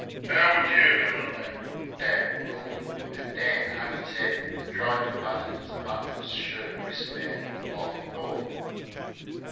"How would you do it then?" Dad roared, and Dan hung his head and tried to button his buttonless shirt wrist band while he thought.